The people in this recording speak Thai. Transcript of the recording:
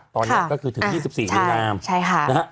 ตอนนี้ก็ถึง๒๔ปี๒นาที